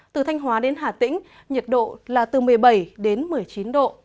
từ thanh hóa đến hà tĩnh nhiệt độ là từ một mươi bảy đến một mươi chín độ